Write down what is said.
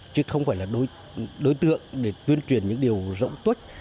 chứ không phải là đối tượng để tuyên truyền những điều rộng tuất